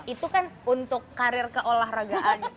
itu kan untuk karir keolahragaan